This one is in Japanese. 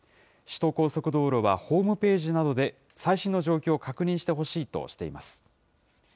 首都高速道路はホームページなどで最新の状況を確認してほしいとしています。